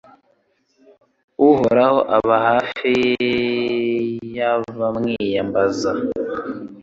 Uhoraho aba hafi y’abamwiyambaza